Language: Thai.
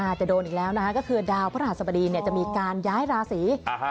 จะโดนอีกแล้วนะคะก็คือดาวพระราชสบดีเนี่ยจะมีการย้ายราศี